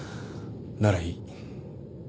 ならいい。